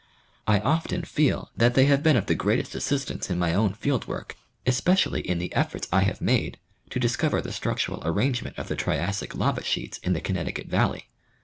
I often feel that they have been of the greatest assistance in my own field work, especially in the efforts I have 14 National Geographic Magazine. made to discover the structural arrangement of the Triassic lava sheets in the Connecticut valley.